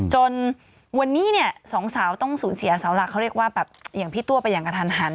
จนวันนี้เนี่ยสองสาวต้องสูญเสียเสาหลักเขาเรียกว่าแบบอย่างพี่ตัวไปอย่างกระทันหัน